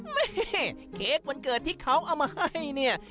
เค้กวันเกิดที่เขาเอามาให้เนี่ย